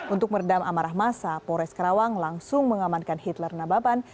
untuk meredam amarah masa polres karawang langsung mengamankan hitler nababan